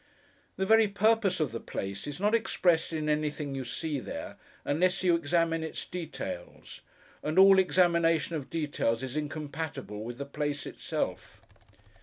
The very purpose of the place, is not expressed in anything you see there, unless you examine its details—and all examination of details is incompatible with the place itself.